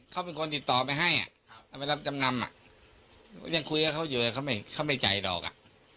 เขาเป็นคนติดต่อไปให้เอาไปรับจำนำอ่ะยังคุยกับเขาอยู่เขาไม่จ่ายดอกอ่ะ